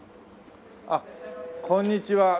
あっこんにちは。